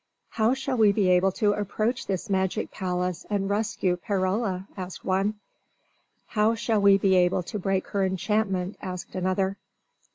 "How shall we be able to approach this magic palace and rescue Perola?" asked one. "How shall we be able to break her enchantment?" asked another.